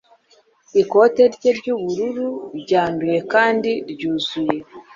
ikoti rye ry'ubururu ryanduye kandi ryuzuye